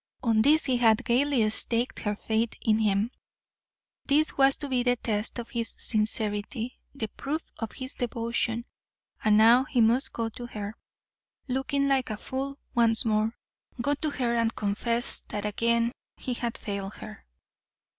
On this he had gaily staked her faith in him. This was to be the test of his sincerity, the proof of his devotion. And now he must go to her, looking like a fool once more go to her and confess that again he had failed her.